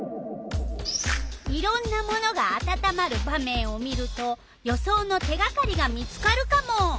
いろんなものがあたたまる場面を見ると予想の手がかりが見つかるカモ！